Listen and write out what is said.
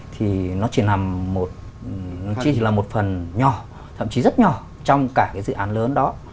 thì nó chỉ là một phần nhỏ thậm chí rất nhỏ trong cả cái dự án lớn đó